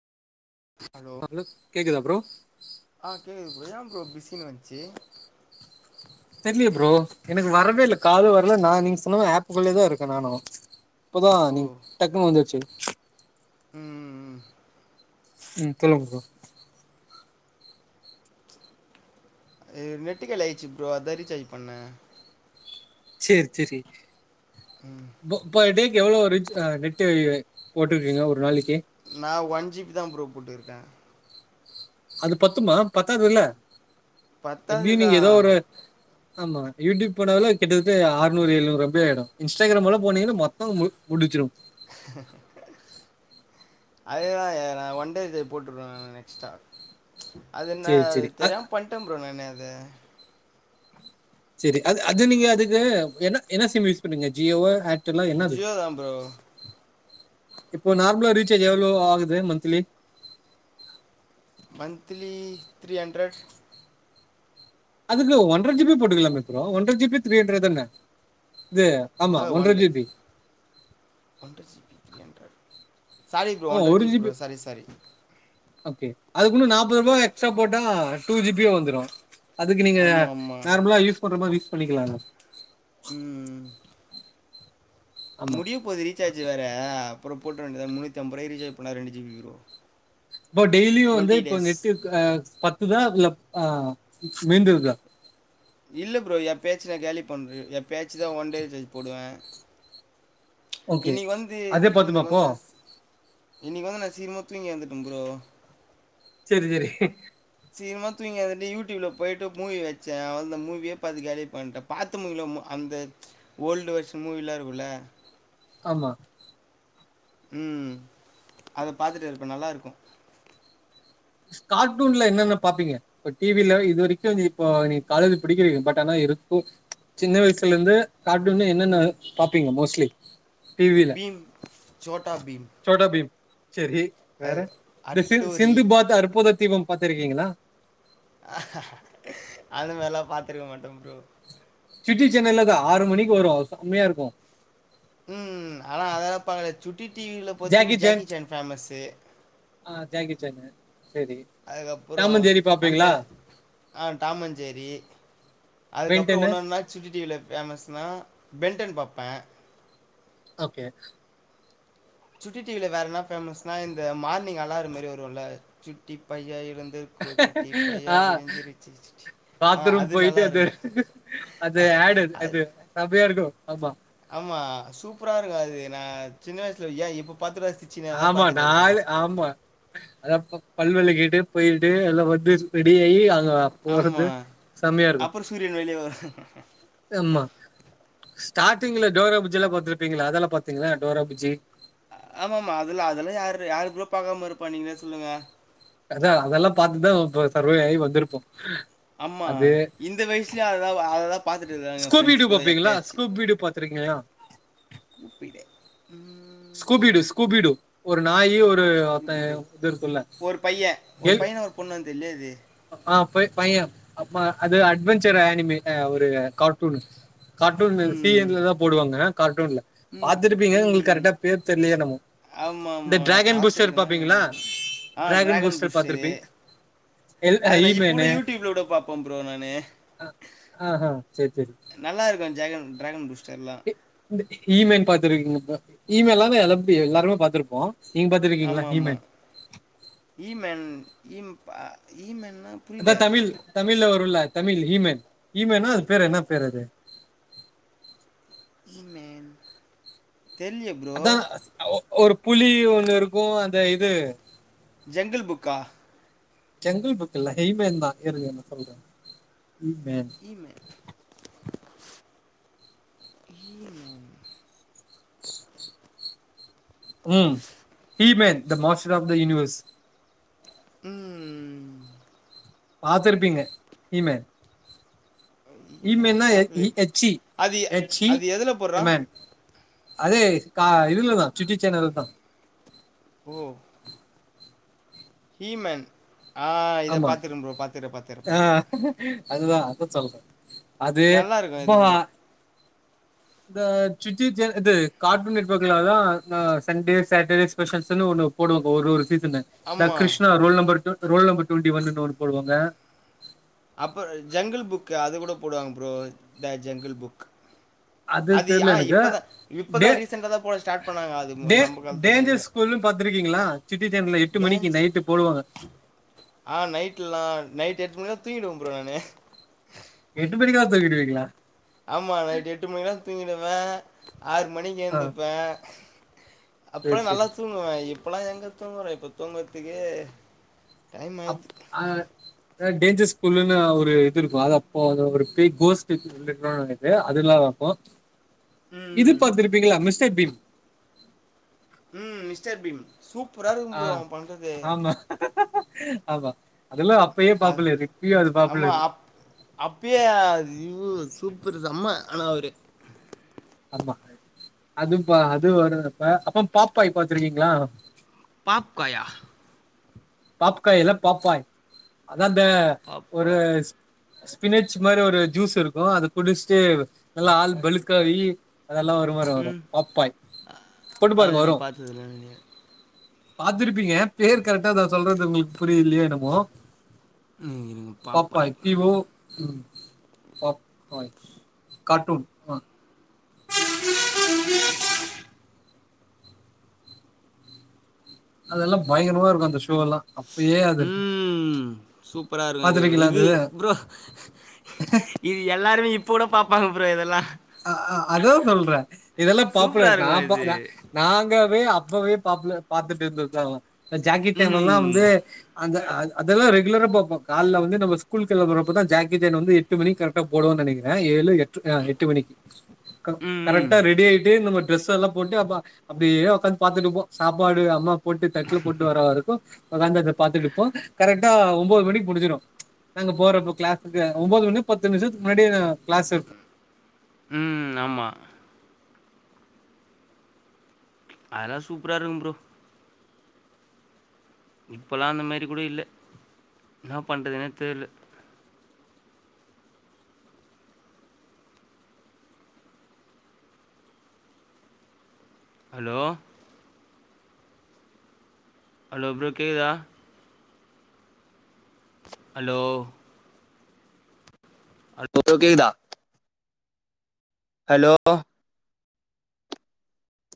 Hello கேக்குதா bro ஆ கேக்குது ப்ரோ ஏ ப்ரோ பிஸின் வந்ச்சி தெர்லியே ப்ரோ எனக்கு வரவே இல்ல காலு வர்ல நா நீங்க சொன்னமேரி ஆப்புக்குள்ளேயே தா இருக்கே நானு இப்பதா ஓ நீ டக்குன்னு வந்துருச்சி ம் ம் ம் ம் சொல்லுங்க ப்ரோ இது நெட்டு காலியாயிச்சி ப்ரோ அதா ரீச்சார்ஜ் பண்ண செர் செரி ம் முப் படிக் எவ்ளோ ரிச் நெட்டு போட்டுக்கீங்க ஒரு நாளைக்கி நா ஒன் ஜி பி தா ப்ரோ போட்ருக்கே அது பத்துமா பத்தாதுல பத்தாதுதா ஆமா யூடிப் போனாலே கிட்டதட்ட ஆற்நூறு ஏழ்நூறு அப்டி ஆய்டு இன்ஸ்டாகிராம்லா போனீங்கன்னா மோத்த மு முடிச்சிரு அதேதா ஏ நா ஒன் டே இது போட்ருவே எக்ஸ்ட்ரா அது நா சேரி அது சேரி அ தெரியாம் பண்ட ப்ரோ நானு அது செரி அது அது நீங்க அதுக்கு என்ன என்ன சிம் யூஸ் பண்ணிங்க ஜியோவோ எல்லா என்னது ஜியோ தான் ப்ரோ இப்போ நார்மலா ரீச்சார்ஜ் எவ்ளோ ஆகுது மந்த்லி மந்ச்லி த்ரீ ஹண்ரட் அதுக்கு ஒன்ற ஜிபி போட்டுக்கலமே ப்ரன ஒன்ர ஜிபி த்ரீ ஹண்ரட் தான இது ஆமா ஒன்ற ஜிபி ஒண்ட்ர GB three hundred sorry bro ஆமா ஒண்ட்ர ஒரு GB bro sorry sorry okay அதுக்கு இன்னு நாப்பது ரூபா எக்ஸ்ட்ரா போட்டா டூ ஜிபி வந்துரு அதுக்கு நீங்க ஆமா ஆமா நார்மலா யூஸ் பண்ற மாரி யூஸ் பண்ணிக்லா ம் ஆமா முடிய போது ரீசார்ஜ் வேற அப்புற போட்டுக்க வேண்டிதா முண்ணூத்தி ஐம்பது ரூபா ரீசார்ஜ் பண்ணிணா ரெண்டு ஜிபி வரு இப்ப டெய்லியு வந்து இப்ப நெட்டு அ பத்துல ஆ மீந்துர்தா இல்ல ப்ரோ எப்பயாச்சு நா கேலி பண்ருவே எப்பயாச்சு தா ஒன் டே ரிசார்ஜ் போடுவே ஓகே இன்னக்கி வந்து அதே இன்னக்கி பத்துமா வந்து அப்போ நா சீ இன்னைக்கு வந்து நா சீக்கிரமா தூங்கி எந்திருக்க ப்ரோ செரி செரி சீக்கிரமா தூங்கி எந்திருச்சு யூடியூப்ல போயிட்டு மூவி வச்சே அந்த மூவிய பாத்து காலி பண்ட்ட பாத்து முடியலமோ அந்த ஓல்டு வர்ஷன் மூவிலா இருக்குல ஆமா ம் அத பாத்துட்டு இருப்ப நல்லா இருக்கு ஸ்கார்ட்டூன்ல என்னென்ன பாப்பீங்க இப்ப டிவில இது வரைக்கு இப்ப நீ காலேஜ் படிக்கிறீங்க பட் ஆனா இருக்கு சின்ன வயசுல இருந்து கார்ட்டூன்னா என்னன்ன ம் பாப்பீங்க மோஸ்ட்லி டிவில பீம் சோட்டா பீம் சோட்டாபீம் அது இந்த சிந் அட்டூரி சிந்து பாத் அற்புத தீபம் பாத்திருக்கீங்களா அதுமாரில்லா பாத்துருக்க மாட்ட ப்ரோ சிட்டி சென்னைல இது ஆறு மணிக்கு வரு செம்மையா இருக்கு ம் ஆனா அதெல்லா பாக்கல சுட்டி டிவில பொறுத்தவர ஜாக்கி சேன் ஃபேமஸ்ஸு ஆ ஜாகிச்சேன் செரி அதுக்கப்புறோ அந்த அ டாமன்ஞ்சேரி பென் அதுக்கப்புற ஒன்னொன்னா சுட்டி டிவில ஃபேமஸ்னா பெண்டன் பாப்பே ஓகே சுட்டி டிவில வேற என்ன ஃபேமஸ்னா இந்த மார்னிங் அலாற மாரி வருல சுட்டி பைய எந்துர்கோ சுட்டி பையா ஆ விடிஞ்சிருச்சு சுட்டி ஆ பாத்ரூம் போயிட்டு நல்லா அது இருக்கும் அது ஆடு அது சமையா இருக்கு. ஆமா ஆமா சூப்பரா இருக்கு அது நா சின்ன வயசுல ஏன் இப்ப பாத்து ரசிச் ஆமா நாளு ஆமா அத பல்வல கிட்டு போயிட்டு எல்லா வந்து ரெடி ஆயி அது ஆம்மா அப்புற சூரியன் வெளிய வரு எம்மா ஸ்டார்டிங்ல டோரா பூஜ்ஜிலா பாத்துருப்பீங்ளா அதெல்லா பாத்தீங்ள டோரா பூஜ்ஜி ஆமாமா அதுல அதெல்லா யார் யாரு ப்ரோ பாக்காம இருப்பா நீங்ளே சொல்லுங்க அத அதெல்லா பாத்துட்டுதா சர்வே ஆயி வந்திருப்போ ஆமா இந்த வயசுலே அததா அததா ஸ்கூப் வீடியோ பாப்பீங்ளா ஸ்கூப் வீடியோ பாத்துருக்கீங்ளா ஸ்கூப் வீடிய ஸ்கூபீடு ஸ்கூபீடு ஒரு நாய் ஒரு இது ஒர்த கூப்பிட்டு இது இருக்குல்ல ஒரு பையன் ஒரு கேள்வி பையனை ஒரு பொண்ணு வந்து தெரியாது ஆ பை பைய அப்ப அது அட்வெஞ்சர ஆனிமி அ ஒரு கார்ட்டூனு கார்ட்டூனு ம் சிஎன்ல தா போடுவாங்க கார்ட்டூன்ல ம் பாத்திருப்பீங்க உங்களுக்கு ம் கரெட்டா பேர் தெர்லயே என்னமோ ஆமாம் இந்த ஆமாம் ட்ராகன் பூஷ்டர் பார்த்துருக்கேன்னு பாப்பீங்களா நினைக்கிறேன் ஆ ட்ராகன் டிராகன் பூஸ்டர் பூஸ்டரு பாத்திருப்பேக் அது நா இப்ப கூட யூடியூப்ல கூட பாப்பே ப்ரோ நானு அ ஆஹ சேர் சரி நல்லா இருக்கு ஜெகன் டிராகன் பூஸ்டர்லா இந்த இமெயில் பாத்துருக்கீங்கல இமெயில்லாம எல்லாபி எல்லாருமே பாத்துருப்போ ஆமா ஆமா இமென் அ இமென்னா அதா தமிழ் தமிழ்ல வருல தமிழ் இமெயில் இமெயில்னா அது பேரு என்ன பேர் அது இ மேன் அதா ஒ ஒரு புலி ஒண்ணு இருக்கு அந்த இது ஜங்கில் புக்கா ஜங்கில் புக் இல்ல எய்மென் தா ஏறுதுன சொல்ற மேன் இ மேன் ஈமேன் ம் He Man the master of the universe ம் பாத்துருப்பீங்க இமே இ ஈமேன் மேன் ன எச் யி பார்க்கல எச்யி அது எச்யி அது எதில் போடுறான் யிமன் அதே கா இதுல தா சுட்டி சேனல் தா போ ஹீமன் ஆ இத பாத்திரு ப்ரோ பாத்க்றே பாத்க்றே பாத்துற அதுதா அதா சொல்ற அது நல்லா இருக்கும் அப்போ இது கூட இந்த சுட்டி சேன் எது கார்டூன் நெட்வர்க்ல தா சண்டே சாட்டர்டே ஸ்பெஷல்ஸ்ன்னு ஒண்ணு போடுவாங் ஒரு ஒரு சீசனு த ஆமாம் Krishna roll number two the roll number twenty one ஒன்னு போடுவாங்க அப்பற ஜங்கிள் புக்கு அது கூட போடுவாங் ப்ரோ த ஜங்கிள் புக் அது தெர்ல ஆ எனக்கு இப்பதான் டே இப்பதான் ரீசெண்டாக தான் போட ஸ்டார்ட் பண்ணாங்க அது மு- டே நம்ம காலத்துல இல்லை டேஞ்சர்ஸ் ஸ்கூலு பாத்துருக்கீங்ளா சுட்டி சேனல்ல எட்டு மணிக்கு டான்ஸ் நைட்டு போடுவாங்க ஆ நைட்டுலா நைட் எட்டு மணி தா தூங்கினுயிருப்பே ப்ரோ நானு எட்டு மணிக்கிலா துங்கிடுவிங்ளா ஆமா நைட்டு எட்டு மணிக்லா தூங்கிடுவே ஆறு மணிக்கு ஆ ஏந்துப்பே சரி அப்பலா நல்லா சரி தூங்குவே இப்பலா எங்க தூங்கறே இப்போ தூங்கர்த்துக்கே டைம் ஆயிது அ டேஞ்சர் ஸ்கூல்லுன்னு ஒரு இது இருக்கு அது அப்போ அது ஒரு பேய் கோஸ்ட்டு [unintelligible] அது இல்லாம அப்போ இது ம் பாத்திருப்பீங்களா மிஸ்டர் பீம் ம் மிஸ்டர் பீம் சூப்பராக இருக்கும் ஆ ப்ரோ அவன் பண்ணுறது ஆமா ஆமா அதெல்லா அப்பையே பாப்பலரு இப்பயு அது பாப்புலரு அப்பியே அது ய்யோ சூப்பரு செம்ம ஆனா அவரு ஆமா அதுபா அதுவு வரும்ப்ப அப்பா பாப்பாய் பாத்திருக்கீங்ளா பாப்காயா பாப்காய் இல்ல பாப்பாய் அதா அந்த பாப்பா ஒரு ஸ்பினெச் மாரி ஒரு ஜூஸ் இருக்கு அத குடிச்ட்டு நல்லா ஆள் பளுக்காயி அதெல்லா வரு வரு வரு ம் பப்பாய் போட்டு பாருங்க அது வரு நான் பாத்ததில்ல நெறைய பாத்திருப்பீங்க பேர் கரெக்டா தா சொல்றது உங்ளுக்கு புரியலையோ என்னமோ ம் இருங்க பாப்பாய் பி வோ ம் பாப்பாயி கார்டூன் ஆ [inaudible] அதெல்லா பயங்கரமா இருக்கு அந்த ஷோ எல்லா அப்பயே அது ம் சூப்பரா இருக்கு இது கூட பாத்துருக்கீங்களா இது அது ப்ரோ இது எல்லாருமே இப்போகுட பாப்பாங்க ப்ரோ இதெல்லா அ அ அதோ சொல்றே இதெல்லா சூப்பரா பாப்புலர் இருக்கு இது நா நாங்கவே அப்பவே பாப்புலர் பாத்துட்டு இருந்தோ ஜாக்கி சேன்ல்லா ம் வந்து அந்த அதெல்லா ரெகுலரா பாப்போ கால்ல வந்து நம்ம ஸ்கூல் கெளம்புறப்பதா ஜாக்கி ஜான் வந்து எட்டுமணி கரெக்டா போடுவானு நெனைக்கிறே ஏழு எ எட்டு மணிக்கு ம் கரெக்டா ரெ ரெடி ஆய்ட்டு நம்ம டிரெஸ் எல்லா போட்டு அப்ப அப்டியே உக்காந்து பாத்துட்டு இருப்போ சாப்பாடு அம்மா போட்டு தட்ல போட்டு வரவரைக்கு உகாந்தது பாத்துட்டுருப்போ கரெக்டா ஒன்பது மணிக்கு முடிஞ்சிடு நாங்க போறப்போ க்ளாசுக்கு ஒன்பது மணி பத்து நிமிஷத்துக்கு முன்னாடி க்ளாசு ம் ஆமா அதெலா சூப்பரா இருக்கு ப்ரோ இப்பலா அந்த மாரி கூட இல்ல என்னா பண்ணுறதுனே தெரில ஹலோ ஹலோ ப்ரோ கேக்குதா ஹலோ ஹலோ இப்போ கேக்குதா ஹலோ